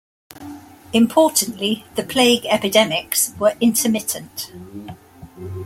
Importantly, the plague epidemics were intermittent.